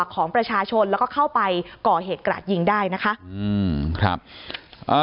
ของประชาชนแล้วก็เข้าไปก่อเหตุกระดยิงได้นะคะ